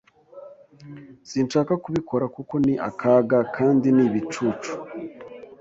Sinshaka kubikora kuko ni akaga kandi ni ibicucu.